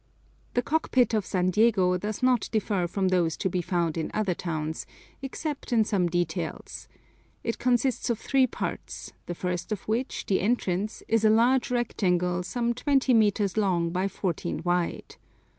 The cockpit of San Diego does not differ from those to be found in other towns, except in some details. It consists of three parts, the first of which, the entrance, is a large rectangle some twenty meters long by fourteen wide.